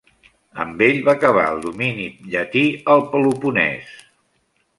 Amb ell va acabar el domini llatí al Peloponès.